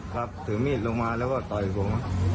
ถือมีดลงมาแล้วก็ต่อยผม